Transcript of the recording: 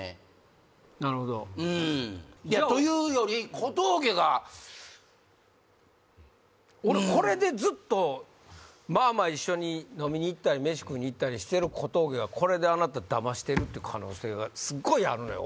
なるほどうんというより小峠が俺これでずっとまあまあ一緒に飲みに行ったりメシ食いに行ったりしてる小峠がこれであなただましてるって可能性がすごいあるのよ